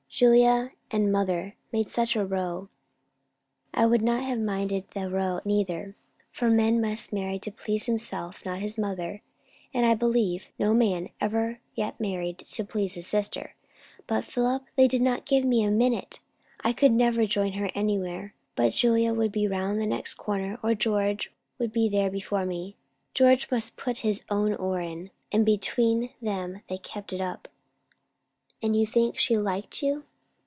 Julia and mother made such a row. I wouldn't have minded the row neither; for a man must marry to please himself and not his mother; and I believe no man ever yet married to please his sister; but, Philip, they didn't give me a minute. I could never join her anywhere, but Julia would be round the next corner; or else George would be there before me. George must put his oar in; and between them they kept it up." "And you think she liked you?"